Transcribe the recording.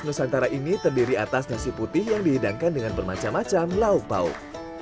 nusantara ini terdiri atas nasi putih yang dihidangkan dengan bermacam macam lauk pauk